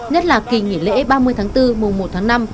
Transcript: nhất là kỳ nghỉ lễ ba mươi tháng bốn mùa một tháng năm